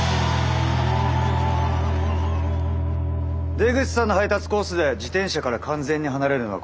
出口さんの配達コースで自転車から完全に離れるのはここだけだ。